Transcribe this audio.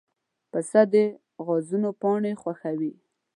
پسه د غوزانو پاڼې خوښوي.